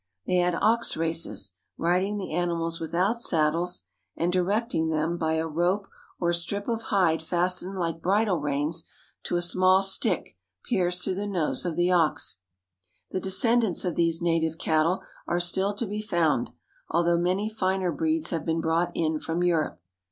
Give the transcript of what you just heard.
They had ox races, riding the animals without saddles, and direct ^re :he I m ers ^^ r FARMING IN SOUTH AFRICA 28s ing them by a rope or strip of hide fastened like bridle reins to a small stick pierced through the nose of the ox. The descendants of these native cattle are still to be found, although many finer breeds have been brought in from Europe.